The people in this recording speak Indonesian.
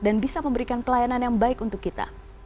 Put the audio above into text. dan bisa memberikan pelayanan yang baik untuk kita